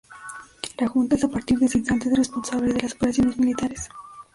La Junta es a partir de este instante el responsable de las operaciones militares.